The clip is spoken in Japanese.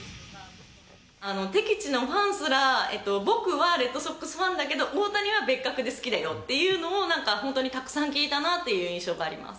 敵地のファンすら、僕はレッドソックスファンだけど、大谷は別格で好きだよっていうのを、なんか本当にたくさん聞いたなという印象があります。